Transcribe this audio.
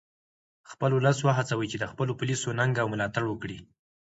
خپل ولس و هڅوئ چې د خپلو پولیسو ننګه او ملاتړ وکړي